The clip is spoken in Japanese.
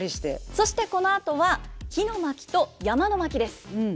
そしてこのあとは「火の巻」と「山の巻」です。